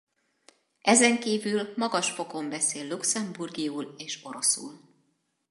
Ezen kívül magas fokon beszél luxemburgiul és oroszul.